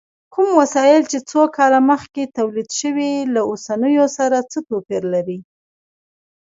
کوم وسایل چې څو کاله مخکې تولید شوي، له اوسنیو سره څه توپیر لري؟